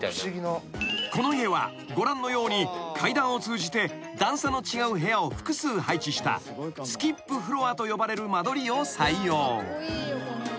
［この家はご覧のように階段を通じて段差の違う部屋を複数配置したスキップフロアと呼ばれる間取りを採用］